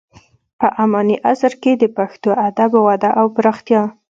په اماني عصر کې د پښتو ادب وده او پراختیا.